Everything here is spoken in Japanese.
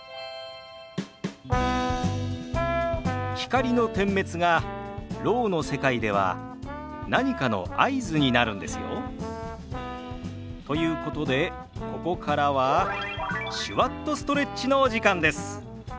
光の点滅がろうの世界では何かの合図になるんですよ。ということでここからは「手話っとストレッチ」のお時間です。